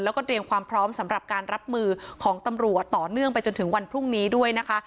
แล้วก็เตรียมความพร้อมสำหรับการรับมือของตำรวจต่อเนื่องไปจนถึงวันพรุ่งนี้ด้วยนะคะ